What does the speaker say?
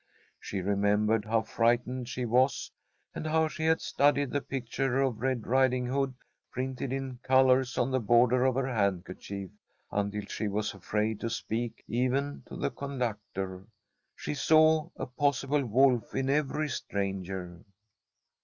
She remembered how frightened she was, and how she had studied the picture of Red Ridinghood, printed in colours on the border of her handkerchief, until she was afraid to speak even to the conductor. She saw a possible wolf in every stranger.